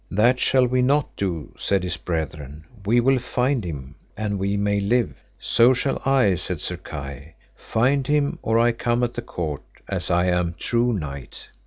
That shall we not do, says his brethren, we will find him an we may live. So shall I, said Sir Kay, find him or I come at the court, as I am true knight.